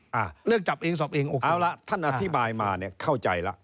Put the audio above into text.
อ่าเลือกจับเองสอบเองโอเคเอาละท่านอธิบายมาเนี่ยเข้าใจละ